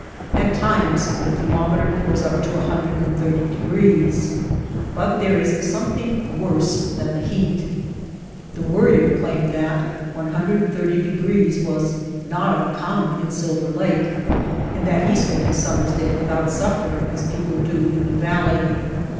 At times the ther mometer goes up to 130 degrees, but there is something worse than the heat. The Worrier claimed that 130 degrees was not uncommon in Silver Lake, and that he spent his summers there without suffering as people do in the valley.